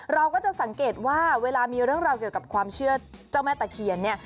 เราก็จะสังเกตว่าเวลามีเรื่องราวเกี่ยวกับความเชื่อเจ้าแม่ตะเคียนเนี่ย